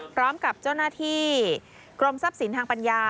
พร้อมกับเจ้าหน้าที่กรมทรัพย์สินทางปัญญา